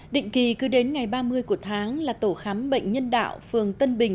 định kỳ cứ đến ngày ba mươi của tháng là tổ khám bệnh nhân đạo phường tân bình